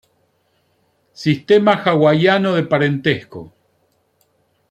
Sistema hawaiano de parentesco